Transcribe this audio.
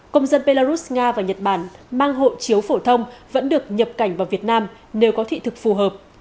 công dân belarus nga và nhật bản mang hộ chiếu phổ thông vẫn được nhập cảnh vào việt nam nếu có thị thực phù hợp